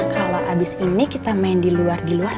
kalau abis ini kita main di luar luar